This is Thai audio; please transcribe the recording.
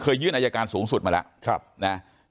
ยื่นอายการสูงสุดมาแล้วนะ